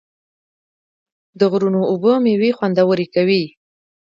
د غرونو اوبه میوې خوندورې کوي.